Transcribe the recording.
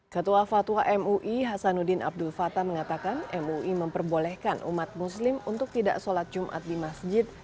ketua fatwa mui hasanuddin abdul fattah mengatakan mui memperbolehkan umat muslim untuk tidak sholat jumat di masjid